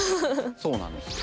そうなんですよ。